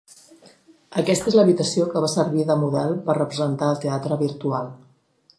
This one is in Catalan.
Aquesta és l'habitació que va servir de model per representar el teatre virtual.